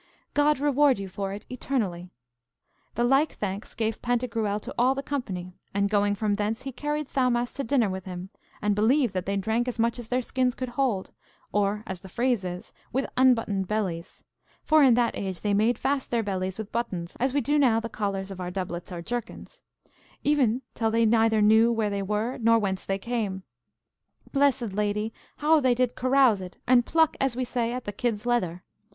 God reward you for it eternally! The like thanks gave Pantagruel to all the company, and, going from thence, he carried Thaumast to dinner with him, and believe that they drank as much as their skins could hold, or, as the phrase is, with unbuttoned bellies (for in that age they made fast their bellies with buttons, as we do now the collars of our doublets or jerkins), even till they neither knew where they were nor whence they came. Blessed Lady, how they did carouse it, and pluck, as we say, at the kid's leather!